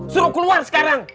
suruh keluar sekarang